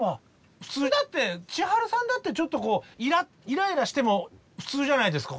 普通だって千春さんだってちょっとこうイライラしても普通じゃないですか。